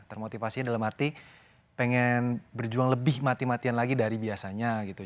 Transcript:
termotivasinya dalam arti pengen berjuang lebih mati matian lagi dari biasanya gitu